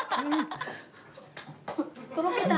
とろけた。